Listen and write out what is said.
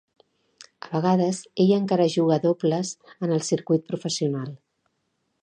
A vegades ell encara juga a dobles en el circuit professional.